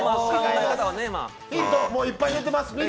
ヒントいっぱい出てます。